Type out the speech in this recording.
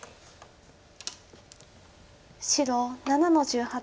白７の十八。